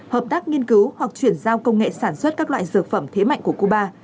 hợp tác nghiên cứu hoặc chuyển giao công nghệ sản xuất các loại dược phẩm thế mạnh của cuba